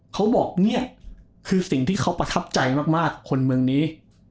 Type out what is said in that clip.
เขาบอกเนี่ยคือสิ่งที่เขาประทับใจมากคนเมืองนี้